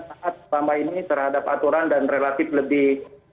saat selama ini terhadap aturan dan relatif lebih